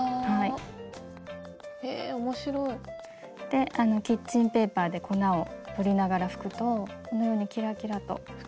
でキッチンペーパーで粉を取りながら拭くとこのようにキラキラと輝きます。